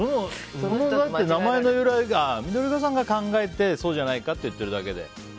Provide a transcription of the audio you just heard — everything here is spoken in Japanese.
その名前の由来は緑子さんが考えてそうじゃないかって言ってるだけで。